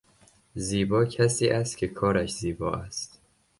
زیبا کسی است که کارش زیبا است.